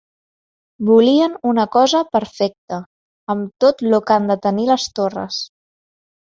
Volien una cosa perfecta, amb tot lo que han de tenir les torres